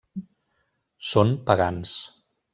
Són pagans.